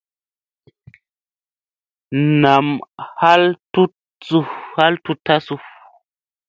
Nam hal a tutta su.